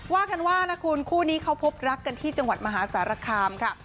ว่ากันว่านะคุณคู่นี้เขาพบรักกันที่จังหวัดมหาสารคามค่ะ